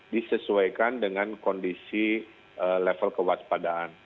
disesuaikan dengan kondisi level kewaspadaan